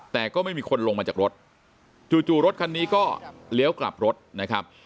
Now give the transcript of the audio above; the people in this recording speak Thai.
แต่ก็ไม่มีคนลงมาจากรถจู่รถคันนี้ก็เลี้ยวกลับรถนะครับ